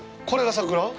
これが桜？